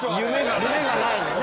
「夢がない」のね。